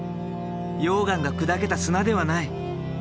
溶岩が砕けた砂ではない。